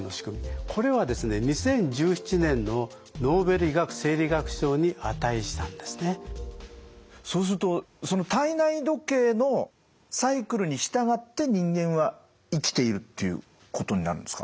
これはですねそうするとその体内時計のサイクルに従って人間は生きているっていうことになるんですかね？